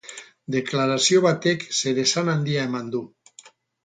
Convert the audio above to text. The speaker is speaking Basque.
Deklarazio batek zeresan handia eman du.